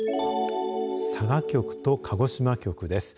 佐賀局と鹿児島局です。